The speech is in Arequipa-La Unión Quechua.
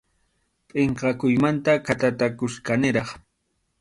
Pʼinqakuymanta khatatataykuchkaniraq.